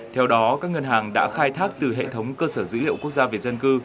theo đó các ngân hàng đã khai thác từ hệ thống cơ sở dữ liệu quốc gia việt dân